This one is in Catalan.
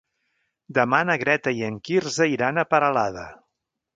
Demà na Greta i en Quirze iran a Peralada.